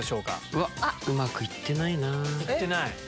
うわっうまくいってないなぁ。